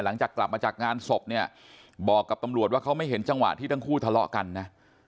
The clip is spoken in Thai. หลังจากกลับมาจากงานศพเนี่ยบอกกับตำรวจว่าเขาไม่เห็นจังหวะที่ทั้งคู่ทะเลาะกันนะ